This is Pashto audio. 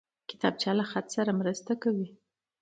کتابچه له خط سره مرسته کوي